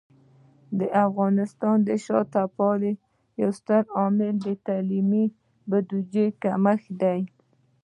د افغانستان د شاته پاتې والي یو ستر عامل د تعلیمي بودیجه کمښت دی.